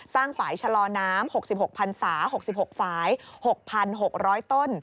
ฝ่ายชะลอน้ำ๖๖พันศา๖๖ฝ่าย๖๖๐๐ต้น